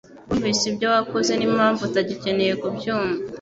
wumvise ibyo wakoze n'impamvu utagikeneye kubyumva.”